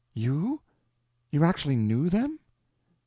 "You? You actually knew them?"